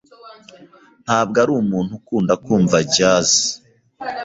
Ntabwo ari umuntu ukunda kumva jazz.